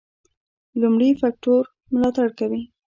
لومړي فکټور ملاتړ کوي.